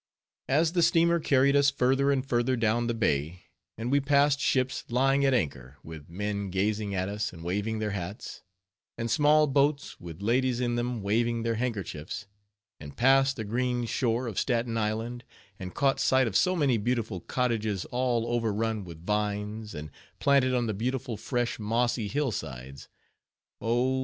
As the steamer carried us further and further down the bay, and we passed ships lying at anchor, with men gazing at us and waving their hats; and small boats with ladies in them waving their handkerchiefs; and passed the green shore of Staten Island, and caught sight of so many beautiful cottages all overrun with vines, and planted on the beautiful fresh mossy hill sides; oh!